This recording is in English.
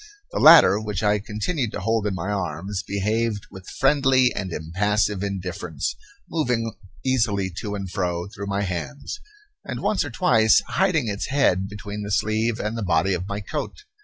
The latter, which I continued to hold in my arms, behaved with friendly and impassive indifference, moving easily to and fro through my hands, and once or twice hiding its head between the sleeve and the body of my coat.